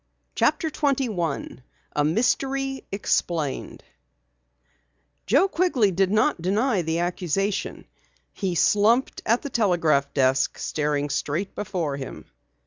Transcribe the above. CHAPTER 21 A MYSTERY EXPLAINED Joe Quigley did not deny the accusation. He slumped at the telegraph desk, staring straight before him.